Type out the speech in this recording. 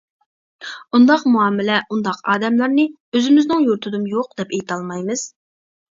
ئۇنداق مۇئامىلە، ئۇنداق ئادەملەرنى ئۆزىمىزنىڭ يۇرتىدىمۇ يوق دەپ ئېيتالمايمىز.